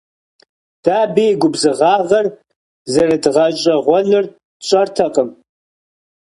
De abı yi gubzığağer zerıdğeş'eğuenur tş'ertekhım.